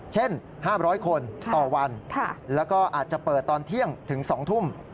๕๐๐คนต่อวันแล้วก็อาจจะเปิดตอนเที่ยงถึง๒ทุ่ม